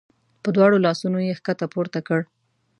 په دواړو لاسونو یې ښکته پورته کړ.